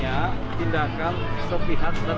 jangan tindakan sepihak dan